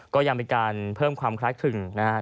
ก็ยังมีการเพิ่มความคล้ายขึ้นนะฮะ